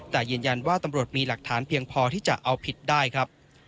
แต่ยืนยันว่าตำรวจมีหลักฐานเพียงพอที่จะเอาผิดได้ครับ